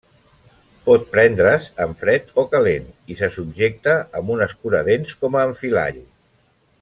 Pot prendre's en fred o calent i se subjecta amb un escuradents com a enfilall.